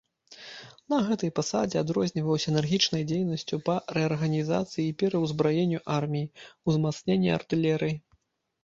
На гэтай пасадзе адрозніваўся энергічнай дзейнасцю па рэарганізацыі і пераўзбраенню арміі, узмацнення артылерыі.